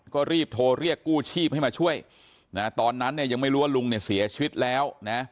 ก็รีบโทรเรียกกู้ชีพให้มาช่วยนะตอนนั้นเนี่ยยังไม่รู้ว่าลุงเนี่ยเสียชีวิตแล้วนะ